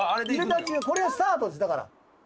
これがスタートですだから。